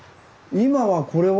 今はこれは？